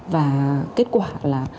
và kết quả là